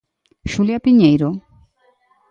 Xulia Piñeiro?